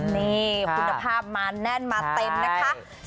นี่คุณภาพมาแน่นมาเต็มนะคะ